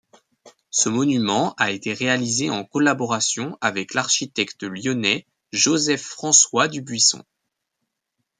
Ce monument a été réalisé en collaboration avec l'architecte lyonnais Joseph-François Dubuisson.